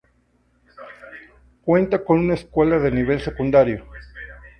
Cuenta con una escuela de nivel secundario.